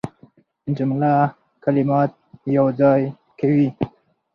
جمله کلمات یوځای کوي.